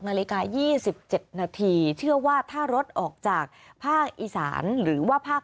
นาฬิกา๒๗นาทีเชื่อว่าถ้ารถออกจากภาคอีสานหรือว่าภาค